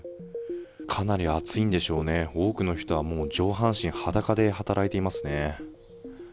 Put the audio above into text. かなり暑いんでしょうね、多くの人はもう、上半身裸で働いていますね。